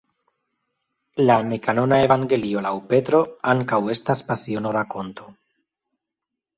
La ne-kanona Evangelio laŭ Petro ankaŭ estas Pasiono-rakonto.